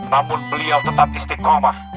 namun beliau tetap istiqamah